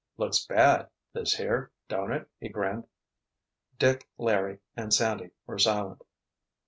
"Looks bad, this here, don't it?" He grinned. Dick, Larry and Sandy were silent.